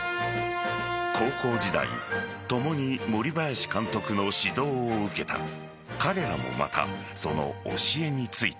高校時代共に森林監督の指導を受けた彼らもまた、その教えについて。